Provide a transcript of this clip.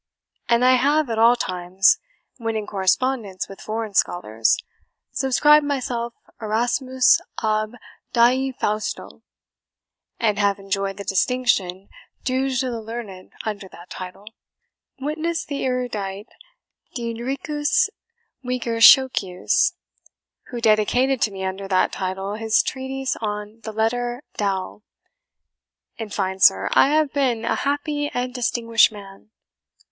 And I have at all times, when in correspondence with foreign scholars, subscribed myself Erasmus ab Die Fausto, and have enjoyed the distinction due to the learned under that title: witness the erudite Diedrichus Buckerschockius, who dedicated to me under that title his treatise on the letter TAU. In fine, sir, I have been a happy and distinguished man."